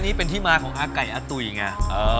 นี่เป็นที่มาของอาไก่อาตุ๋ยไง